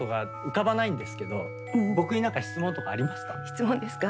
質問ですか？